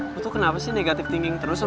lo tuh kenapa sih negatif thinking terus sama gue